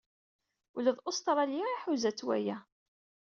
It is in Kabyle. Ula d Ustṛalya iḥuza-tt waya.